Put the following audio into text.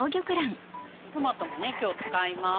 トマトもね今日使います。